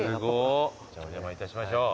じゃあお邪魔いたしましょう。